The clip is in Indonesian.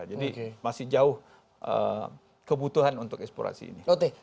jadi masih jauh kebutuhan untuk eksplorasi ini